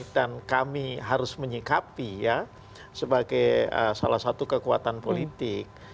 dan kami harus menyikapi ya sebagai salah satu kekuatan politik